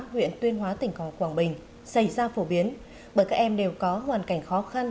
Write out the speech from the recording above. huyện tuyên hóa tỉnh quảng bình xảy ra phổ biến bởi các em đều có hoàn cảnh khó khăn